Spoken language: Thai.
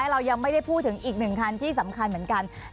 เรายังไม่ได้พูดถึงอีกหนึ่งคันที่สำคัญเหมือนกัน